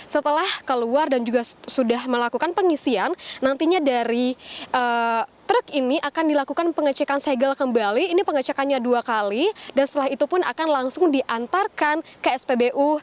setelah keluar dan juga sudah melakukan pengisian nantinya dari truk ini akan dilakukan pengecekan segel kembali ini pengecekannya dua kali dan setelah itu pun akan langsung diantarkan ke spbu